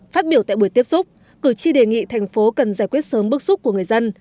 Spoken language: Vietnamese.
phát biểu tại buổi tiếp xúc cử tri đề nghị thành phố cần giải quyết sớm bước xúc của người dân